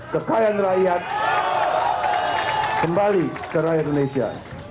kekayaan rakyat kembali ke rakyat indonesia